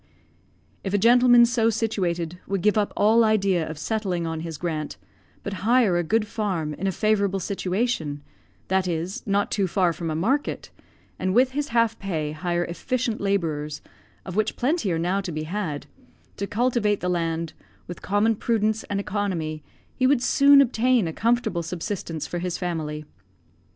If a gentleman so situated would give up all idea of settling on his grant, but hire a good farm in a favourable situation that is, not too far from a market and with his half pay hire efficient labourers, of which plenty are now to be had, to cultivate the land, with common prudence and economy, he would soon obtain a comfortable subsistence for his family.